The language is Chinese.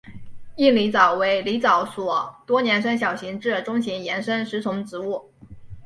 硬狸藻为狸藻属多年生小型至中型岩生食虫植物。